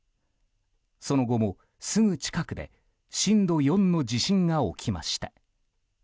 その後もすぐ近くで震度４の地震が起きました。